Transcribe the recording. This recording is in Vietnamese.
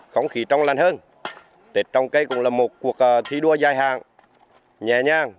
không khí trong lăn hơn tết trồng cây cũng là một cuộc thi đua dài hàng nhẹ nhàng